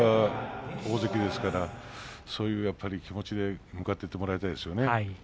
大関ですからそういう気持ちで向かってほしいですね。